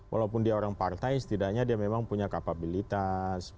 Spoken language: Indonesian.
walaupun dia orang partai setidaknya dia memang punya kapabilitas